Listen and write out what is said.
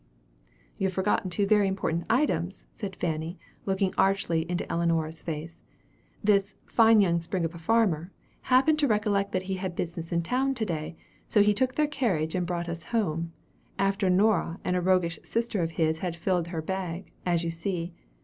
"You have forgotten two very important items," said Fanny, looking archly into Ellinora's face. "This 'fine young sprig of a farmer' happened to recollect that he had business in town to day; so he took their carriage and brought us home, after Nora and a roguish sister of his had filled her bag as you see.